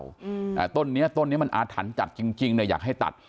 อืมอ่าต้นเนี้ยต้นเนี้ยมันอาถรรพ์จัดจริงจริงเนี้ยอยากให้ตัด